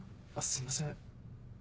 すいません。